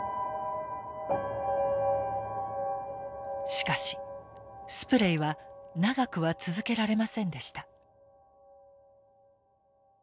しかしスプレイは長くは続けられませんでした。